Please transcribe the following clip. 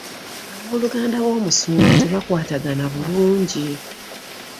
Abooluganda b'omusumba tebakwatagana bulungi.